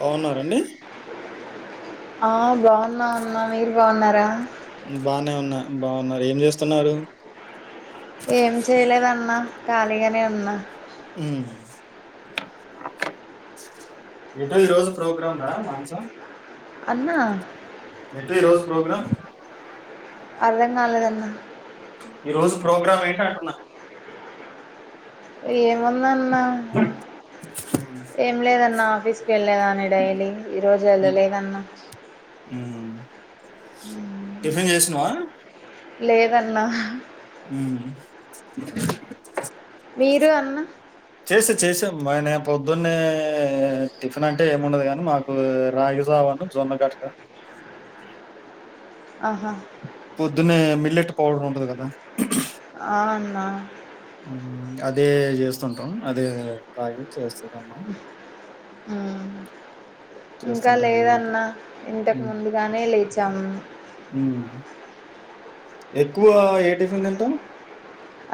బావున్నారా అండి ఆ బావున్నాం అన్నా మీరు బావున్నారా ఉ బానే ఉన్నా బావున్నరు ఏం చేస్తున్నారు ఏం చేయలేదు అన్నా ఖాళీగనే ఉన్నా ఉ ఎటో ఈ రోజు ప్రోగ్రామ్ రా మనసా అన్నా ఎటు ఈ రోజు ప్రోగ్రామ్ అర్ధం గాలేదన్న ఈ రోజు ప్రోగ్రామ్ ఏంటి అంటున్న ఏముందన్న హ్మ్. ఏం లేదన్నా ఆఫీస్కి వెళ్లిన డైలీ ఈ రోజు ఎల్లలేదన్న మ్ టిఫిన్ చేసినవా లేదన్నా ఉహు మీరు అన్న చేసా చేసా మ నా పొద్దున్నే టిఫిన్ అంటే ఏముండదు గనీ మాక్ రాగి జావా ఉన్ను జొన్న గట్కా ఆహా పొద్దున్నే మిల్లెట్ పౌడర్ ఉంటది గదా ఆ అన్నా అదే చేస్తుంటాం అదే తాగి చేస్తది అమ్మా ఉమ్ ఇంక చేస్తుంటాం అన్నమాట. లేదన్నా ఇంతకు ముందుగానే లేచాము ఉమ్ ఎక్కువా ఏ టిఫిన్ తింటారు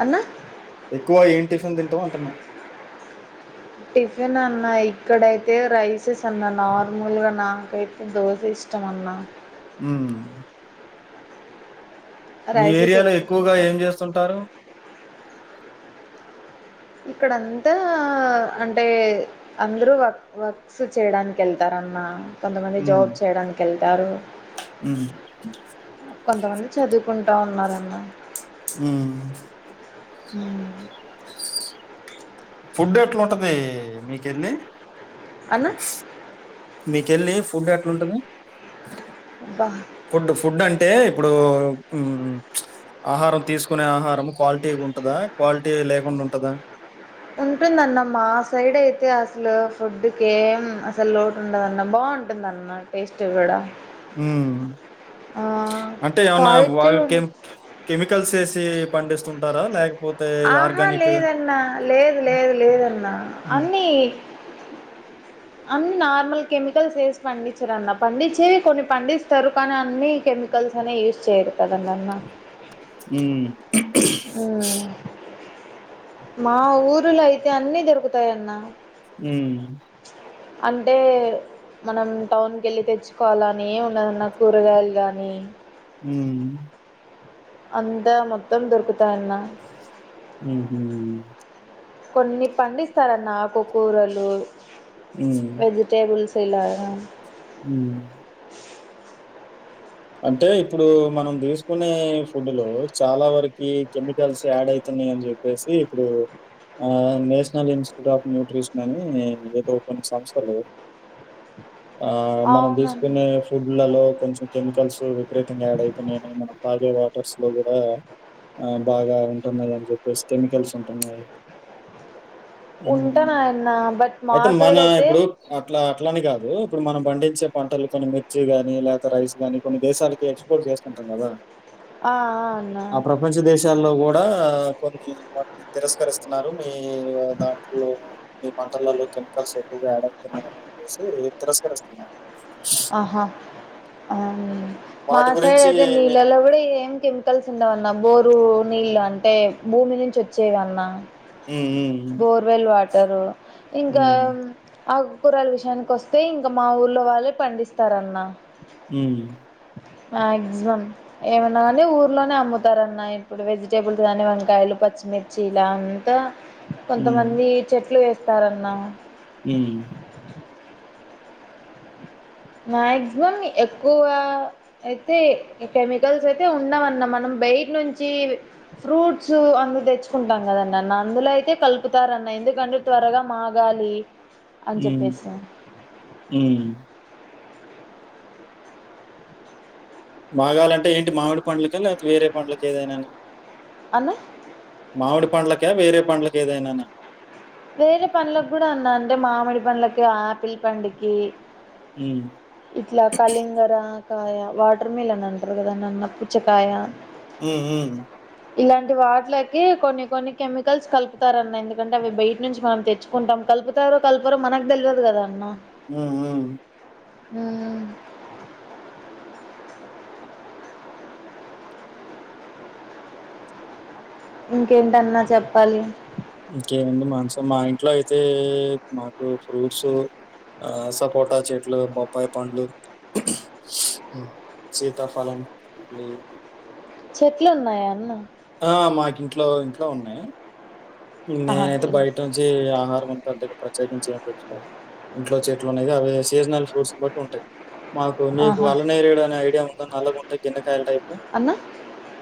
అన్న ఎక్కువ ఏం టిఫిన్ తింటవ్ అంటున్న టిఫిన్ అన్నా ఇక్కడైతే రైసెస్ అన్న నార్మల్ గా నాకైతే దోస ఇష్ ష్టం అన్నా ఉమ్ మీ రైసెస్ ఏరియాలో ఎక్కువ ఎక్కువగా ప్రిఫర్ ఏం చేస్తుంటారు ఇక్కడంతా అంటే అందరు వక్ వర్క్స్ చేయడానికి ఎళ్తారన్నా కొంతమంది ఉమ్, జాబ్ చేయడానికి ఎళ్తారు ఉమ్, కొంతమంది చదువుకుంటా ఉన్నారన్న ఉమ్ ఊ ఫుడ్ ఎట్లుంటదీ మీకెళ్ళి అన్నా మీకెళ్ళి ఫుడ్ ఎట్లుంటది అబ్బా ఫుడ్డు ఫుడ్డంటే ఇప్పుడు ఉమ్ ప్చ్ ఆహారం తీసుకునే ఆహారము క్వాలిటీగుంటదా క్వాలిటీ లేకుండ ఉంటదా ఉంటుందన్న మా సైడ్ అయితే అస్లు ఫుడ్డుకేం అసల్ లోటుండదన్న బాగుంట్ టుందన్న టేస్ట్ గూడ ఉమ్ అంటే ఏమన్నా క్వాలిటీ ఉం- వాళ్ళకేం కెమికల్స్ ఏసి పండిస్తుంటారా లేకపోత్ ఆహా లేదన్నా లేదు లేదు లేదన్నా ఉమ్, అన్నీ అన్ని నార్మల్ కెమికల్స్ వేసి పండిచ్చరన్న పండిచ్చేవి కొన్ని పండిస్తారు కాని అన్ని కెమికల్స్ అనే యూస్ చేయరు కదంనన్నా ఉమ్ ఉమ్ మా ఊరిలో అయితే అన్నీ దొరుకుతాయన్నా ఊమ్ అంటే మనం టౌన్ కెళ్ళి తెచ్చుకోవాలని ఏవున్నదన్నా కూరగాయల్ గాని ఉమ్ అంతా మొత్తం దొరుకుతాయన్న ఊహూ కొన్ని పండిస్తారన్న కుకూరలు ఉమ్. వెజి టేబుల్స్ ఇలాగా ఊ అంటే ఇప్పుడు మనం దీస్కునే ఫుడ్డులో చాలా వరకి కెమికల్స్ యాడైతున్నయని జెప్ ప్పేసి ఇప్పుడూ ఆ నేషనల్ ఇన్స్టిట్యూట్ ఆఫ్ న్యూట్రిషన్ అని ఏదో కొన్ని సంస్థలు ఆ మనం అవునన్న తీసుకునే ఫుడ్లలో కొంచం కెమికల్స్ [unintelligible] విపరీతంగా యాడైతున్నయని మనం తాగే వాటర్స్ లో గూడా ఆ బాగా ఉంటున్నాయి అని జెప్పేసి కెమికల్స్ ఉంటున్నాయి ఊమ్ ఉంటానయన్న బట్ మా అయితే సైడ్ మనా అయితే ఇప్పుడు అట్లా అట్లాని కాదు ఇప్పుడు మనం పండించే పంటలు కొని మిర్చి గాని లేక రైస్ దాన్నీ కొన్ని దేశాలకి ఎక్స్పోర్ట్ జేస్తుంటం గదా ఆ ఆ అన్నా మంచి దేశాల్లో గూడా కొన్ని వాట్ తిరస్కరిస్తున్నారు మీ దాంట్లో మీ పంటలల్లో కెమికల్స్ ఎక్కువగా యాడయితున్నాయని జెప్పేసి తిరస్కరిస్తున్నారు ఆహా ఆ మా వాటి గురించి సైడైతే ని నీళ్లల్లా గూడ ఏం కెమ్ కల్స్ ఉండవన్నా బోరు నీళ్ళు అంటే భూమి నుంచి వచ్చేవి అన్నా హ్మ్. బోర్వెల్ వాటరు ఇంకా హ్మ్. ఆకుకూరల్ విషయానికొస్తే ఇంక మా ఊళ్ళో వాళ్ళే పండిస్తారన్న ఉమ్ మాక్సిమమ్ ఏమన్న గాని ఊర్లోనే అమ్ముతారన్నా ఎప్పుడు వెజిటేబుల్స్ గాని వంకాయలు పచ్చిమిర్ ర్చిలంతా హ్మ్. కొంతమంది చెట్లు వేస్తారన్నా ఊమ్ మాక్సిమం ఎక్కువా అయితే ఇ కెమికల్స్ అయితే ఉండవన్న మనం బైటి నుంచి ఫ్రూట్స్ అందు తెచ్చుకుంటాం కదండి అన్న అందులో అయితే కలుపుతారన్న ఎందుకంటే త్వరగా మాగాలి అని ఉమ్ చెప్పేసి ఉమ్ మాగాలంటే ఏంటి మామిడి పండ్లుకా లేతే వేరే పండ్లుకి ఏదైనాన అన్న మావిడి పండ్లక వేరే పండ్లకు ఏదైనాన వేరే పండ్లకు కూడా ఉన్న అంటే మామిడి పండ్లకి ఆపిల్ పండుకి హ్మ్. ఇట్లా కళింగరా కాయ వాటర్ మిలన్ అంటారు కదనన్న పుచ్చకాయ ఉమ్ ఉమ్ ఇలాంటి వాట్లకి కొన్ని కొన్ని కెమికల్స్ కలుపుతారన్నా ఎందుకంటే అవి బయ్ నుంచి మనం తెచ్చుంటాం కలుపుతారో కల్పరొ మనక్ దెల్వదు గదా అన్న ఊ ఊ ఊ ఇంకేంటన్న చెప్పాలి ఇంకేముంది మాన్సా మా ఇంట్లో అయితే మాకు ఫ్రూట్సూ ఆ సపోటా చెట్లు బొప్పాయ్ పండ్లు ఉ శీతా ఫలం మళ్ళీ చెట్లు ఉన్నాయా అన్న ఆ మాకింట్లో ఇంట్లో ఉన్నాయ్ ఆహా నేనైతే ఇన్ బయటుంచి ఆహారం అంతా అద్దగా ప్రత్యేకించి ఏం తెచ్చుకోమ్ ఇంట్లో చెట్లు ఉన్నయ్ గా అవే సీజనల్ ఫ్రూట్స్ బట్టి ఉంటాయ్ మాకు నీకు ఆహా అళ్ళనేరెడు అనే ఐడియా ఉందా నల్లగుంటాయ్ గిన్నకాయల్ టైప్ లో అన్న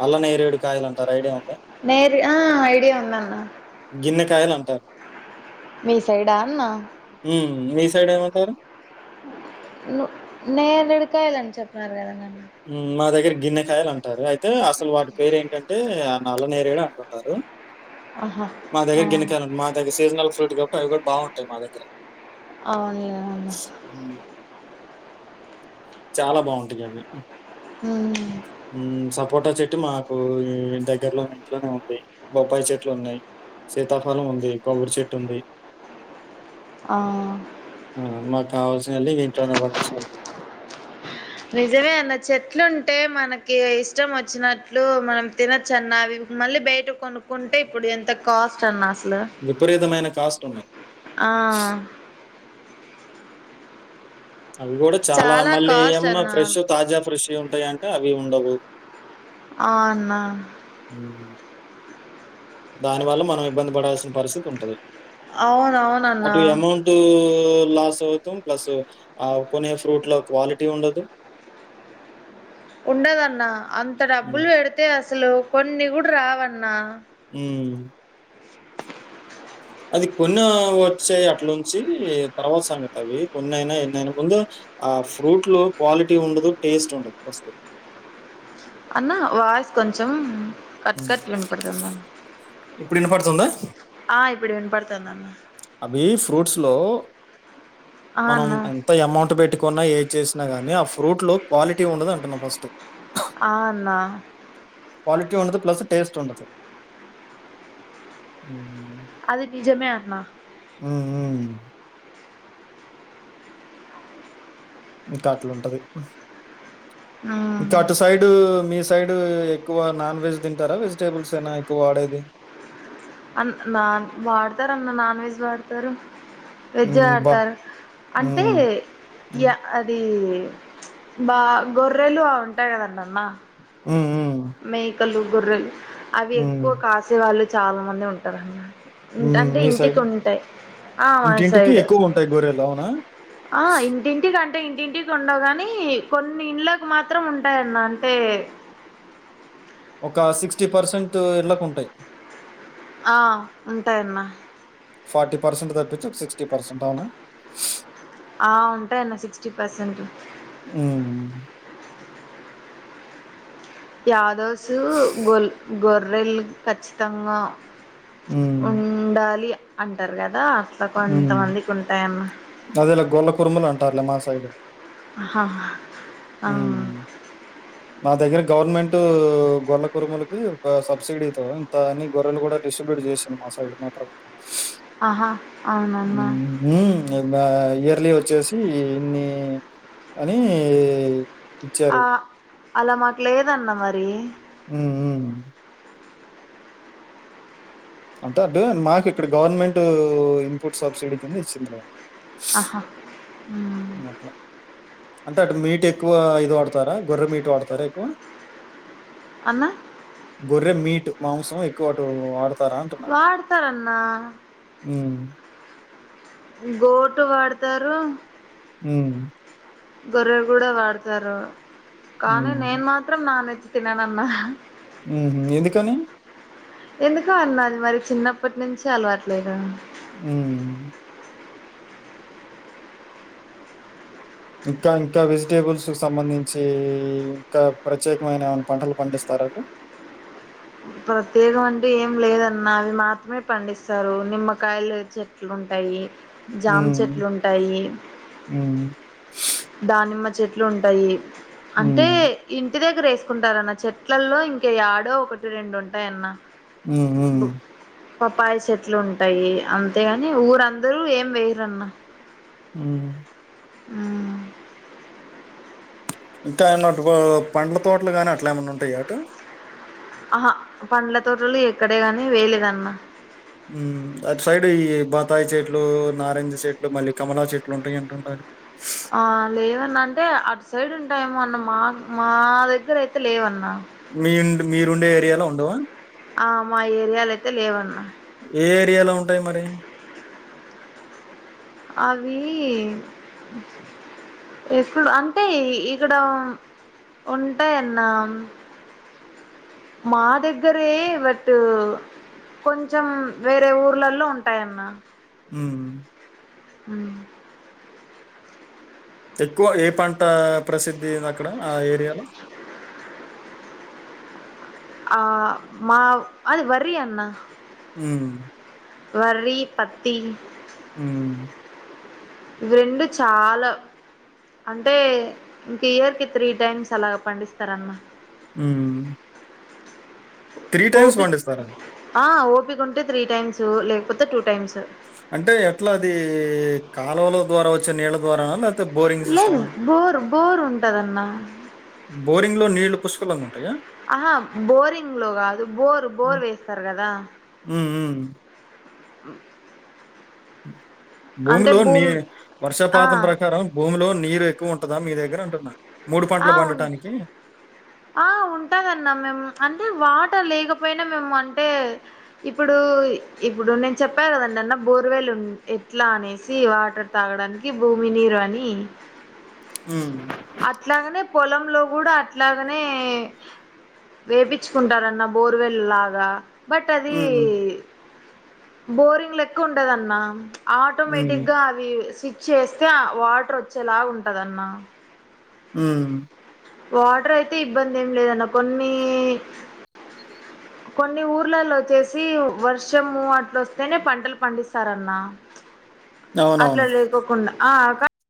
అల్లనేరేడు కాయలంటారు ఐడియా ఉందా నేరు ఆ ఐడియా ఉందన్నా గిన్నెకాయలంటార్ మీ సైడా అన్న ఊమ్ మీ సైడేమంటారు ను నేరేడుకాయలన్ చొప్పినారు గదన్న మీ మ్ మా దగ్గెర గిన్నెకాయలు అంటారు అయితే అసలు వాటి పేరు ఏంటంటే ఆ నల్ల నేరేడు అంటుంటారు ఆహా మా ఆ దగ్గెర గిన్నికాయలన్ మా దగ్గర సీజనల్ ఫ్రూట్ గప్ప అవి గుడా బావుంటాయ్ మా దగ్గెర అవుండ్లే అన్న ఊ చాలా బావుంటగి అవ్వీ ఉఊ ఊ సపోటా చెట్టు మాకు ఈ దగ్గర్లోనే ఇంట్లోనే ఉంది బొప్పాయి చెట్లు ఉన్నాయ్ సీతాఫలం ఉంది కొబ్బరి చెట్టు ఉంది ఆ ఆ మాక్కావాల్సిన అళ్ళి ఇగ ఇంట్లోనే పండించకుంటుం నిజమే అన్న చెట్లు ఉంటే మనకి ఇష్టం వచ్చినట్లు మనం తినొచ్చన్న అవి మళ్ళీ బెయిట కొనుక్కుంటే ఇప్పుడు ఎంత కాస్టన్నా అస్సలు విపరీతమైన కాస్టున్నాయ్ ఉ ఆ అవి గుడా చాలా మళ్ళీ కాస్ట్ ఏమన్నా అన్న ఫ్రెష్షు తాజా ఫ్రెష్ ఉంటాయ అంటే అవీ ఉండవు ఆ అన్నా ఊ దాని వల్ల మనం ఇబ్బంది బడాల్సిన పరిస్థితుంటది అవునవునన్నా టూ లాసవుతామ్ ప్లస్సు ఆ కొనే ఫ్రూట్ లో క్వాలిటీ ఉండదు ఉండదన్న అంత హ్మ్. డబ్బుల్ వెడితే అస్సలు కొన్ని గుడా రావన్న ఊ అది కొన్నా వొచ్చే అట్లుంచి తర్వాత్ సంగతవి కొన్నైన ఎన్నైనా ముందు ఆ ఫ్రూట్ లో క్వాలిటీ ఉండుదు టేస్టుండదు ఫస్టు అన్న వాయిస్ కొంచెం కట్ హ్మ్. కట్ వినపడుతది అన్న ఇప్పుడు ఇనపడుతుందా? ఆ ఇప్పుడు వినపడుతుందన్న అవి ఫ్రూట్స్ లో ఆ మనం అన్న అమౌంట్ పెటికోన్న ఏది చేసినా గానీ ఆ ఫ్రూట్ లో క్వాలిటీ ఉండదు అంటున్నా ఫస్ట్ ఆ అన్న క్వాలిటీ ఉండదు ప్లస్ టేస్ట్ ఉండదు అది నిజమే అన్నా ఉమ్ ఉమ్ ఇంకా అట్ల ఉంటది ఆ ఇంకా అటు సైడు మీ సైడు ఎక్కువ నాన్ వెజ్ తింటార వెజిటేబుల్స్ ఏనా ఎక్కువ వాడేది అన్ నాన్ వాడతరు అన్న నాన్ వెజ్ వాడతారు వెజ్జ్ హ్మ్. బా వాడతారు అంటే హ్మ్. హ్మ్. అది బాగ గొర్రెలు ఉంటాయి కదండి అన్న ఉ ఉ మేకలు గొర్రెలు అవి హ్మ్. ఎక్కువ కాసే వాళ్ళు చాల మంది ఉంటారు అన్న మ్మ్. అంటే మీ సైడ్ ఇంటికి ఉంటాయి ఆ మా ఇంటింటికి సైడ్ ఎక్కువ ఉంటాయి గొర్రెలు అవునా ఆ ఇంటింటికి అంటే ఇంటింటికి ఉండవు కానీ కొన్ని ఇండ్ళలకు మాత్రం ఉంటాయన్న అంటే ఒక సిక్స్టీ పర్సెంట్ ఇళ్ళకు ఉంటాయ్ ఆ ఉంటాయన్న ఫార్టీ పర్సెంట్ తప్పించి ఒక సిక్స్టీ పర్సెంట్ అవున ఆ ఉంటయి అన్న సిక్స్టీ పర్సెంట్ ఉమ్ యాదవ్సు గొల్ గొర్రెలు ఖచ్చితంగా ఉ మ్మ్. ఉండాలి అంటారు కదా అట్ల కొంతమందికి ఉంటాయన్న అదేలే గొల్ల కురుములు అంటారులే మా సైడు హా ఉ మా దగ్గర గవర్నమెంట్ గొర్ల కురుములకి సబ్సిడీతో ఇంత అని గొర్రెలు కూడా డిస్ట్రిబ్యూట్ చేసి మా సైడు మాత్రం [unintelligible] ఆహా అవునన్న ఉమ్ ఇయర్లీ వచ్చేసి ఇన్ని అని ఆ ఇచ్చారు అల మాకు లేదన్న మరి ఉమ్ ఉమ్ [unintelligible] మాకు ఇక్కడ గవర్నమెంట్ ఇన్పుట్ సబ్సిడీ కింద ఇచ్చింది [unintelligible] ఆహా ఉమ్ అట్ల అంటే అటు మీటు ఎక్కువ ఇది వాడతార గొర్ర మీటు వాడతార ఎక్కువ అన్న గొర్రె మీటు మాంసం ఎక్కువ అటు వా వాడుతారన్నా ఉ గోటు వాడతారు ఉ గొర్రె కూడ వాడతారు కానీ ఉమ్, నేను మాత్రం నాన్ వెజ్ తిననన్న మ్ ఎందుకని ఎందుకొ అన్న అది మరి చిన్నప్పటి నుంచి అలవాట్లేదు మ్ ఇంకా ఇంకా వెజిటేబుల్స్ కు సంబంధించి ఇంకా ప్రత్యేకమైన ఏమైనా పంటలు పండిస్తార అటు ప్రత్యేకం అంటే ఏం లేదన్న అవి మాత్రమే పండిస్తారు నిమ్మకాయలు చె ట్లు ఉంటాయి జామ ఉమ్, చెట్లు ఉంటాయి ఉమ్, దానిమ్మ చెట్లు ఉంటాయి అంటే ఉమ్, ఇంటి దగ్గర వేసుకుంటారన్న చెట్లల్లో ఇంక ఏడో ఒకటి రెండు ఉంటాయన్న మ్ మ్ పప్పయ చెట్లు ఉంటాయి అంతేగాని ఊరందరూ ఏం వేయరన్న మ్ మ్ ఇంకా ఏమన్న పండ్ల తోటలు గాని అట్లా ఏమన్నా ఉంటాయా అటు ఆహా పండ్ల తోటలు ఎక్కడే గాని వేయలేదన్న మ్ అటు సైడ్ ఈ బత్తాయి చెట్లు నారింజ చెట్లు మళ్ళీ కమలా చెట్లు ఉంటాయి అంటున్నారు ఆ లేవన్న అంటే అటు సైడు ఉంటాయేమో అన్న మా మా దగ్గర అయితే లేవన్న మీ మీరుండే ఏరియాలో ఉండవా ఆ మా ఏరియాల అయితే లేవన్నా ఏ ఏరియాలో ఉంటయి మరి అవీ ఎప్పుడ అంటే ఇక్కడ ఉంటాయన్నా మా దగ్గరే బట్ కొంచెం వేరే ఊర్లలో ఉంటాయన్న ఉమ్ మ్ ఎక్కువ ఏ పంట ప్రసిద్ధి ఉంది అక్కడ ఆ ఏరియాలో ఆ మా అది వరి అన్న మ్ వర్రి పత్తి మ్ రెండు చాలా అంటే ఇంక ఇయర్ కి త్రీ టైమ్స్ అలాగ పండిస్తారన్న మ్ ఓపిక్ పండిస్తారా? ఆ ఓపిక ఉంటే త్రీ టైమ్స్ లేకపోతే టూ టైమ్స్ అంటే ఎట్లా అది కాలువల ద్వారా వచ్చే నీళ్ళ ద్వారా లేక్ లేదు బోరు బోరు ఉంటదన్న బోరింగ్ లో నీళ్లు పుష్కలంగా ఉంటాయా ఆహా బోరింగ్లో కాదు బోరు బోర్ వేస్తారు కదా మ్ మ్ అంటే భూమిలో నీ భూమి ఆ వర్షపాతం ప్రకారం భూమిలో నీరు ఎక్కువ ఉంటదా మీ దగ్గర అంటున్నా మూడు ఆ పంటలు ఉం పండటానికి ఆ ఉంటాదన్న మేము అంటే వాటర్ లేకపోయినా మేము అంటే ఇప్పుడు ఇప్పుడు నేను చెప్పాను కదండి అన్న బోర్వెల్ ఎట్లా అనేసి వాటర్ తాగడానికి భూమి నీరు అని ఊమ్ అట్లాగనే పొలంలో కూడా అట్లాగనే వేపిచ్చుకుంటారన్న బోర్ వెల్లు లాగా బట్ అది హ్మ్. బోరింగ్ లెక్కుండదన్నా హ్మ్. ఆటోమేటిక్గా అవి స్విచ్ ఎస్తే అ వాటర్ వచ్చేలాగుంటదన్నా ఊమ్ వాటర్ అయితే ఇబ్బంది ఏం లేదన్న కొన్ని కొన్ని ఊర్లలో ఒచ్చేసి వర్షము అట్లోస్తేనే పంటలు పండిస్తారన్నా అట్ల అవునవును. లేకోకుండా ఆ అక